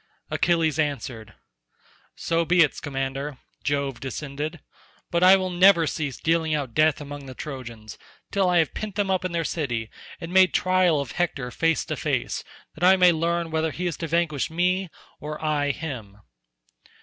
Achilles answered, "So be it, Scamander, Jove descended; but I will never cease dealing out death among the Trojans, till I have pent them up in their city, and made trial of Hector face to face, that I may learn whether he is to vanquish me, or I him."